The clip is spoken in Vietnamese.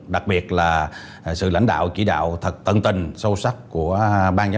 đặc biệt là sự lãnh đạo chỉ đạo thật tận tình sâu sắc của ban giám đốc công an tp hcm